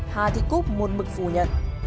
hà thị cúc muôn mực phủ nhận